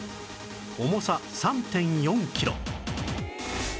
重さ ３．４ キロ